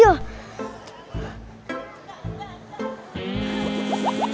kemana tuh brocah ya